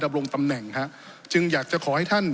ดำรงตำแหน่งฮะจึงอยากจะขอให้ท่าน